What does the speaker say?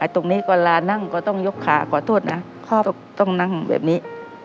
ตรงนี้ก็ลานั่งก็ต้องยกขาขอโทษนะต้องนั่งแบบนี้